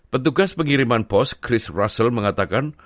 petugas pengiriman pos chris russell mengatakan